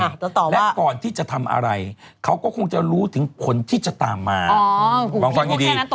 แล้วก่อนที่จะทำอะไรเขาก็คงจะรู้ถึงคนที่จะตามมาอ๋อคุณพี่พูดแค่นั้นตกใจหมด